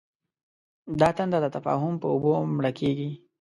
دا تنده د تفاهم په اوبو مړ کېږي.